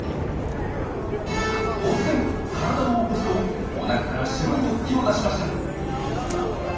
突然体を起こすとおなかから白い突起を出しました！